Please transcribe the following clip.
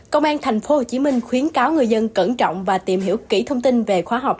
công an tp hcm khuyến cáo người dân cẩn trọng và tìm hiểu kỹ thông tin về khoa học